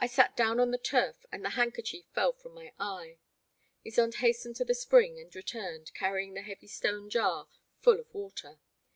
I sat down on the turf, and the handkerchief fell from my eye. Ysonde hastened to the spring and returned carrying the heavy stone jar full of water.